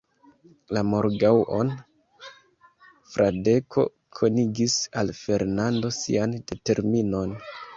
La morgaŭon, Fradeko konigis al Fernando sian determinon.